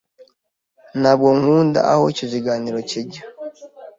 Ntabwo nkunda aho iki kiganiro kijya.